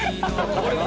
これは。